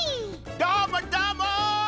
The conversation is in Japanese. どーもどーも！